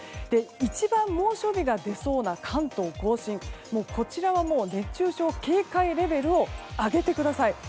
一番猛暑日が出そうな関東・甲信こちらはもう熱中症警戒レベルを上げてください。